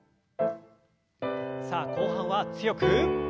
さあ後半は強く。